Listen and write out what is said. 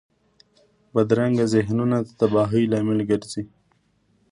بدرنګه ذهنونه د تباهۍ لامل ګرځي